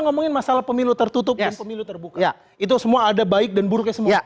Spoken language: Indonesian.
ngomongin masalah pemilu tertutup dan pemilu terbuka itu semua ada baik dan buruknya semua